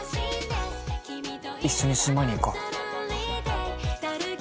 一緒に島に行こう。